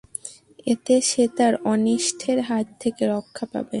এতে সে তার অনিষ্টের হাত থেকে রক্ষা পাবে।